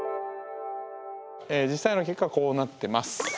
実際の結果はこうなってます。